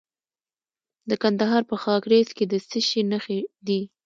د کندهار په خاکریز کې د څه شي نښې دي؟